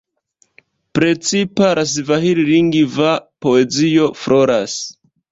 Precipa la svahil-lingva poezio floras.